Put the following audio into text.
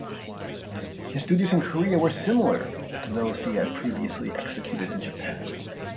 His duties in Korea were similar to those he had previously executed in Japan.